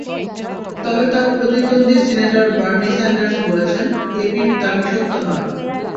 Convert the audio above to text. তবে তাঁর প্রতিদ্বন্দ্বী সিনেটর বার্নি স্যান্ডার্স বলেছেন, এপির দাবি সত্য নয়।